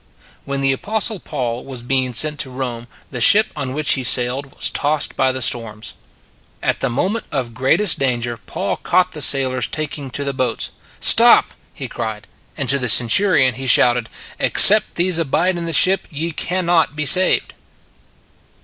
When the Apostle Paul was being sent to Rome, the ship on which he sailed was tossed by storms. At the moment of greatest danger Paul caught the sailors taking to the boats. We re All in the Same Boat $ "Stop ! "he cried; and to the Centurion he shouted: " Except these abide in the ship, ye can not be saved."